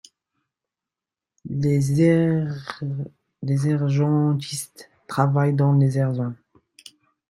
Les urgentistes travaillent dans les urgences.